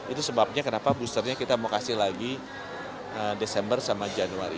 itu sebabnya kenapa boosternya kita mau kasih lagi desember sama januari